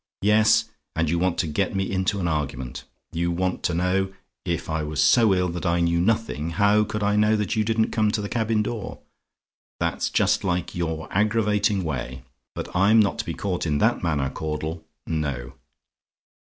Yes; and you want to get me into an argument. You want to know, if I was so ill that I knew nothing, how could I know that you didn't come to the cabin door? That's just like your aggravating way; but I'm not to be caught in that manner, Caudle. No."